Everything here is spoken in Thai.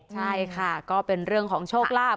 ใช่ค่ะก็เป็นเรื่องของโชคลาภ